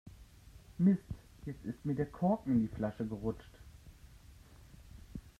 Mist, jetzt ist mir der Korken in die Flasche gerutscht.